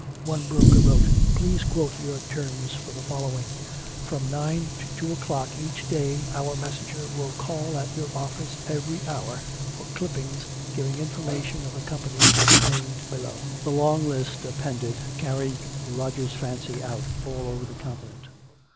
One broker wrote, "Please quote your terms for the following. From nine to two o'clock each day our messenger will call at your office every hour for clippings giving information of the companies named below." The long list appended carried Roger's fancy out all over the continent.